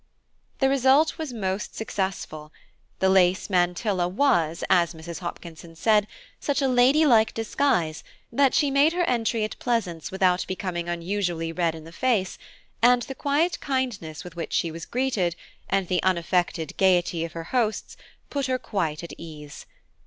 The result was most successful; the lace mantilla was, as Mrs. Hopkinson said, such a lady like disguise that she made her entry at Pleasance without becoming unusually red in the face, and the quiet kindness with which she was greeted, and the unaffected gaiety of her hosts, put her quite at ease.